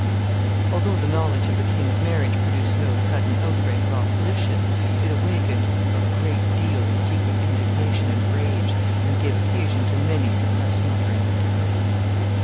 ] Although the knowledge of the king's marriage produced no sudden outbreak of opposition, it awakened a great deal of secret indignation and rage, and gave occasion to many suppressed mutterings and curses.